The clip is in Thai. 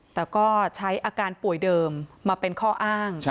แต่ก็ใช้อาการป่วยเดิมมาเป็นข้ออ้าง